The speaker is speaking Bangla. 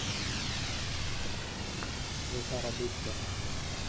তিনি চিকিৎসক ও শিক্ষকদের নিয়োগ দেন।